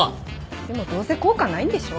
でもどうせ効果ないんでしょ？